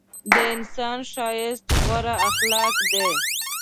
د انسان ښایست غوره اخلاق دي.